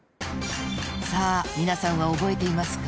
［さあ皆さんは覚えていますか？］